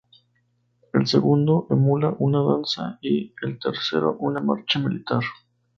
El segundo emula una danza y el tercero una marcha militar.